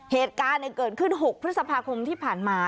เหตุการณ์เกิดขึ้น๖พฤษภาคมที่ผ่านมา